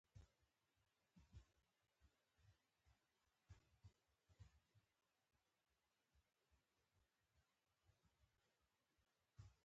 ماشوم به خپلې بسترې ته راوړم.